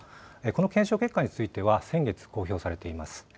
この検証結果については先月公表されています。